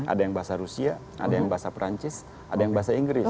ada yang bahasa rusia ada yang bahasa perancis ada yang bahasa inggris